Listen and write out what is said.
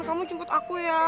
kamu jemput aku ya